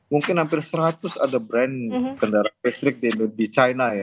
mungkin hampir seratus ada brand kendaraan listrik di china ya